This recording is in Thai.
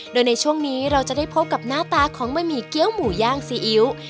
โดยในช่วงนี้เราจะได้พบกับหน้าตาของบะหมี่เกี้ยวหมูย่างซีอิ๊ว